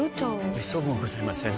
めっそうもございません。